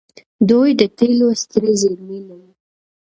دوی د تیلو سترې زیرمې لري.